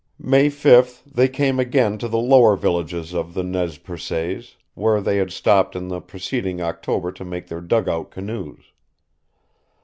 May 5th they came again to the lower villages of the Nez Percés, where they had stopped in the preceding October to make their dugout canoes.